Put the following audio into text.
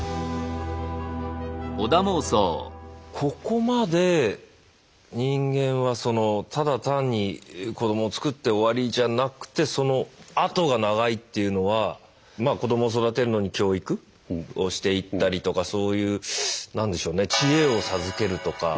ここまで人間はただ単に子どもをつくって終わりじゃなくてそのあとが長いっていうのは子どもを育てるのに教育をしていったりとかそういう知恵を授けるとか